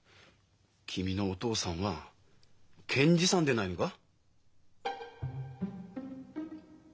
君のお父さんは検事さんでないのか？